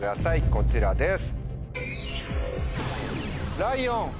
こちらです。